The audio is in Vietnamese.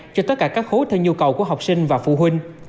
cho tất cả các khối theo nhu cầu của học sinh và phụ huynh